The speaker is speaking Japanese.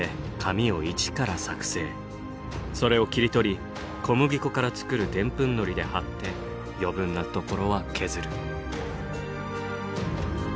それを切り取り小麦粉から作るでんぷんのりで貼って余分なところは削る。